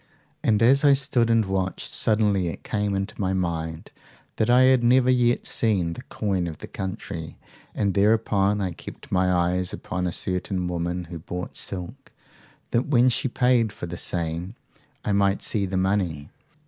"'And as I stood and watched, suddenly it came into my mind that I had never yet seen the coin of the country, and thereupon I kept my eyes upon a certain woman who bought silk, that when she paid for the same I might see the money.